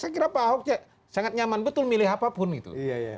saya kira pak ahok sangat nyaman betul milih apapun gitu